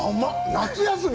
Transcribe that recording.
夏休み。